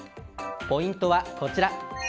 ポイントはこちら。